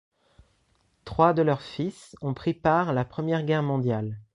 Trois de leurs fils ont pris part à la Première Guerre mondiale.